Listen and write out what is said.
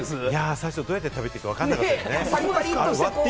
最初、どうやって食べていいかわからなかったですよね。